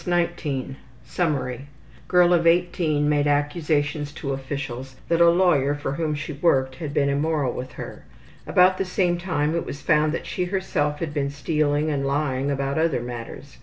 CASE 19 Summary: Girl of 18 made accusations to officials that a lawyer for whom she worked had been immoral with her. About the same time it was found that she herself had been stealing and lying about other matters.